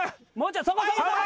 そこそこそこ。